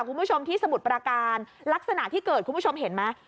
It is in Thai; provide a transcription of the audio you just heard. คุณผู้ชมที่สมุทรประการลักษณะที่เกิดคุณผู้ชมเห็นไหม